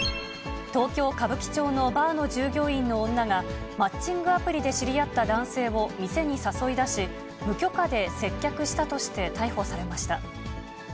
東京・歌舞伎町のバーの従業員の女が、マッチングアプリで知り合った男性を店に誘い出し、無許可で接客したとして、逮捕されました。